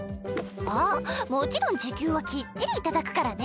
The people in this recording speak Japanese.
あっもちろん時給はきっちり頂くからね。